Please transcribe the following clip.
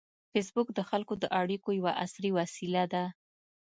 فېسبوک د خلکو د اړیکو یوه عصري وسیله ده